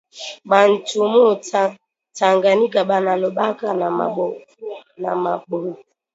Bantu mu tanganika bana lobaka na ma boti